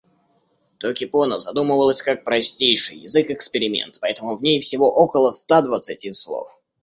Токипона задумывалась как простейший язык-эксперимент, поэтому в ней всего около ста двадцати слов.